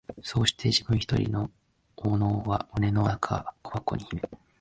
そうして自分ひとりの懊悩は胸の中の小箱に秘め、